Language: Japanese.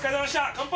乾杯！